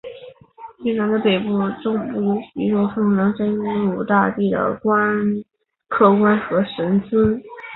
越南的北部和中部有许多奉祀真武大帝的宫观和神祠。